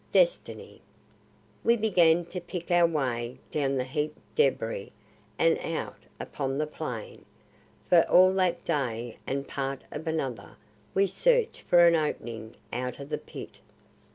Destiny!" We began to pick our way down the heaped debris and out upon the plain. For all that day and part of another we searched for an opening out of the Pit.